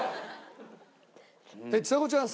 ちさ子ちゃんさ。